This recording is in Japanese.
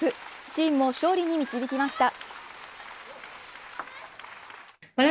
チームを勝利に導きました。